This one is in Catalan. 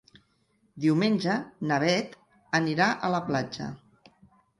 Diumenge na Beth anirà a la platja.